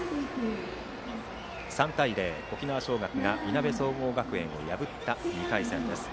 ３対０、沖縄尚学がいなべ総合学園を破った１回戦。